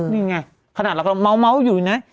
นี่ไงขนาดเราก็เม้าอยู่นะ